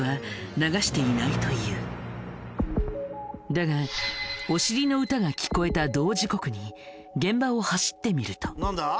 だがお尻の歌が聴こえた同時刻に現場を走ってみると。